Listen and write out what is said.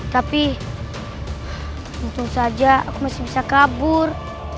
tapi tentu saja aku masih bisa kabur